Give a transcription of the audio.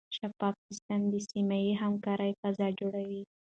شفاف سیستم د سمې همکارۍ فضا جوړوي.